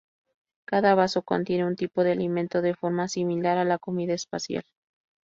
Cada vaso contiene un tipo de alimento, de forma similar a la comida espacial.